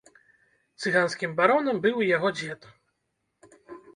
Цыганскім баронам быў і яго дзед.